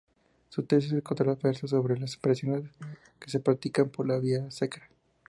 Su tesis doctoral versó sobre "las operaciones que se practican por la vía sacra".